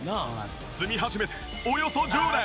住み始めておよそ１０年。